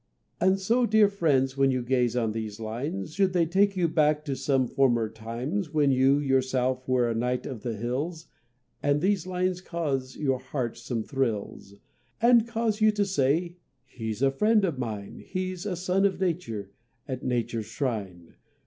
And so dear friends, when you gaze on these lines, Should they take you back to some former times When you, yourself, were a knight of the hills, And these lines cause your heart some thrills; And cause you to say, "He's a friend of mine, He's a son of Nature, at Nature's shrine!"